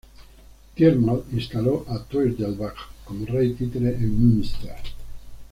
Diarmait Instaló a Toirdelbach como rey títere en Munster.